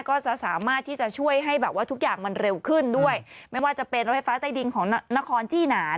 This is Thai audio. ก็จะสามารถที่จะช่วยให้แบบว่าทุกอย่างมันเร็วขึ้นด้วยไม่ว่าจะเป็นรถไฟฟ้าใต้ดินของนครจี้หนา